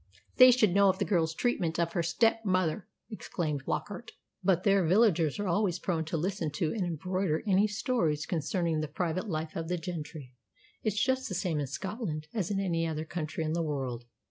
"They should know of the girl's treatment of her stepmother," exclaimed Flockart. "But there, villagers are always prone to listen to and embroider any stories concerning the private life of the gentry. It's just the same in Scotland as in any other country in the world."